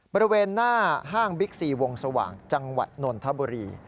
บริเวณหน้าห้างบิ๊กซีวงสว่างจังหวัดนนทบุรี